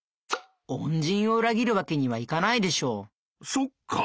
そっかぁ。